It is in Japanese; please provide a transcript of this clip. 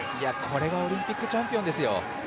これがオリンピックチャンピオンですよ